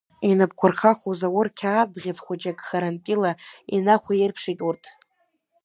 Инапқәа рхахо Заур қьаад бӷьыц хәыҷык харантәила инахәаирԥшит урҭ.